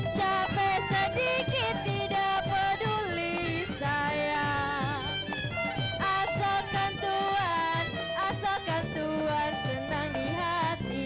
capek sedikit tidak peduli saya asalkan tuhan asalkan tuhan senangi hati